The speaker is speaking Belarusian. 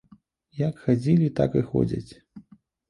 Як хадзілі, так і ходзяць.